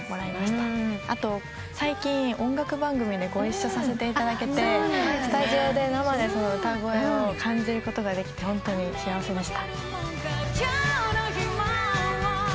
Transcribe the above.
あと最近音楽番組でご一緒させていただけてスタジオで生で歌声を感じることができてホントに幸せでした。